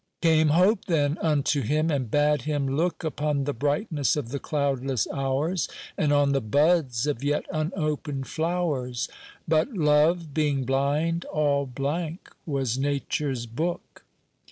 Came Hope then unto him and bade him look Upon the brightness of the cloudless hours, And on the buds of yet unopened flowers; But Love, being blind, all blank was nature's book.